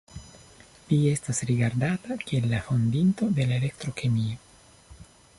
Li estas rigardata kiel la fondinto de la elektro-kemio.